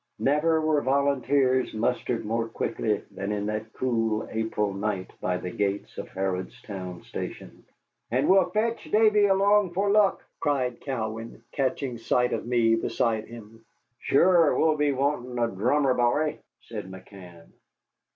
Never were volunteers mustered more quickly than in that cool April night by the gates of Harrodstown Station. "And we'll fetch Davy along, for luck," cried Cowan, catching sight of me beside him. "Sure we'll be wanting a dhrummer b'y," said McCann.